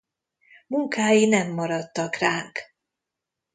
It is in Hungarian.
Munkái nem maradtak ránk.